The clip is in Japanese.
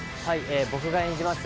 僕が演じます